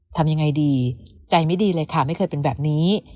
ทำยังไงดีใจไม่ดีเลยค่ะไม่เคยเป็นแบบนี้